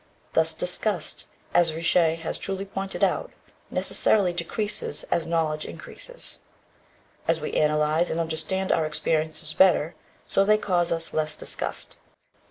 Thus, disgust, as Richet has truly pointed out, necessarily decreases as knowledge increases. As we analyze and understand our experiences better, so they cause us less disgust.